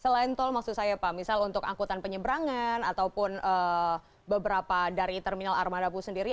selain tol maksud saya pak misal untuk angkutan penyeberangan ataupun beberapa dari terminal armada bu sendiri